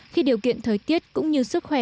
khi điều kiện thời tiết cũng như sức khỏe